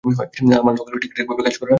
আমার লক্ষ্য হলো ঠিকঠাকভাবে কাজটা করা।